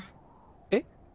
えっ？